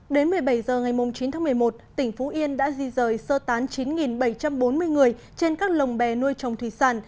đến một mươi bảy h ngày chín tháng một mươi một tỉnh phú yên đã di rời sơ tán chín bảy trăm bốn mươi người trên các lồng bè nuôi trồng thủy sản